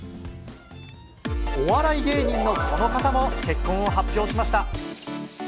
お笑い芸人のこの方も、結婚を発表しました。